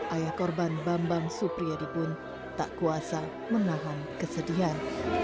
ayah korban bambang supriyadi pun tak kuasa menahan kesedihan